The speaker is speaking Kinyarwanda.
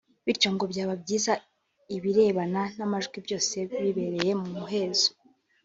bityo ngo byaba byiza ibirebana n’amajwi byose bibereye mu muhezo